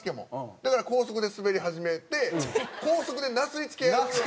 だから高速でスベり始めて高速でなすりつけ合う。